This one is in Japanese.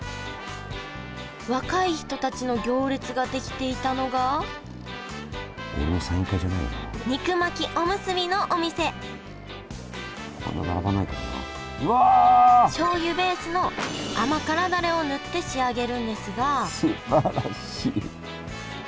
若い人たちの行列ができていたのが肉巻きおむすびのお店しょうゆベースの甘辛ダレを塗って仕上げるんですがすばらしい。